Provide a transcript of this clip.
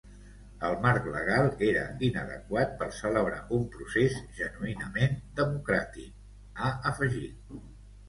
El marc legal era inadequat per celebrar un procés genuïnament democràtic, ha afegit.